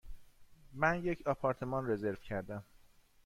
من یک آپارتمان رزرو کردم.